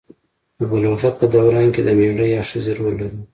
د بلوغیت په دوران کې د میړه یا ښځې رول لرو.